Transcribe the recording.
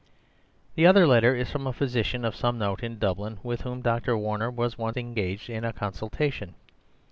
"The other letter is from a physician of some note in Dublin, with whom Dr. Warner was once engaged in consultation.